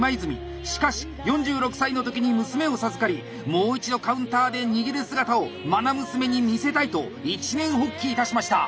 しかし４６歳の時に娘を授かりもう一度カウンターで握る姿をまな娘に見せたいと一念発起いたしました！